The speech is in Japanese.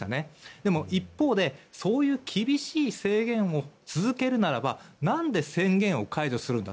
でも一方でそういう厳しい制限を続けるならば何で宣言を解除するんだ